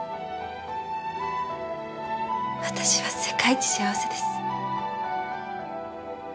私は世界一幸せです。